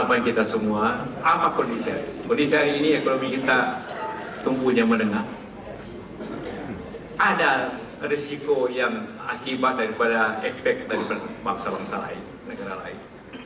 ada resiko yang akibat dari efek dari masalah masalah lain negara lain